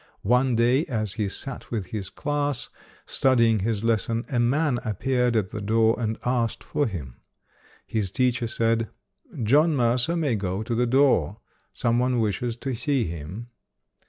One day as he sat with his class, studying his lesson, a man appeared at the door and asked for him. His teacher said, "John Mercer may go to the door. Some one wishes to see him".